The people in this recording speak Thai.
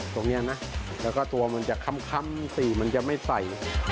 ตรงนี้นะแล้วก็ตัวมันจะค้ำสีมันจะไม่ใส่